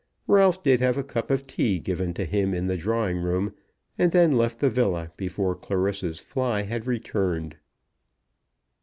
Ralph did have a cup of tea given to him in the drawing room, and then left the villa before Clarissa's fly had returned.